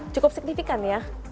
cukup signifikan ya